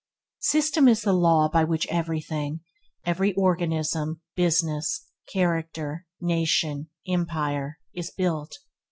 System is the law by which everything – every organism, business, character, nation, empire – is built.